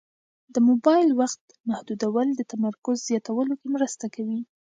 د موبایل وخت محدودول د تمرکز زیاتولو کې مرسته کوي.